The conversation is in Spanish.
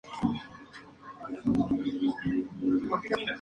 Ha participado en varias películas y series de su país.